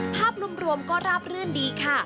ภาพรวมก็ราบรื่นดีค่ะ